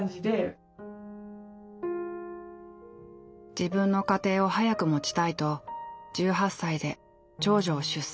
自分の家庭を早く持ちたいと１８歳で長女を出産。